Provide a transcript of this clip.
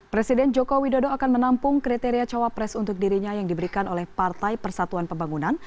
presiden jokowi dodo akan menampung kriteria cawapres untuk dirinya yang diberikan oleh partai persatuan pembangunan